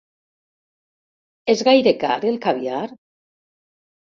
És gaire car el caviar?